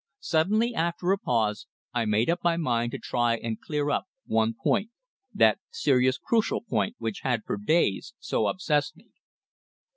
Suddenly, after a pause, I made up my mind to try and clear up one point that serious, crucial point which had for days so obsessed me.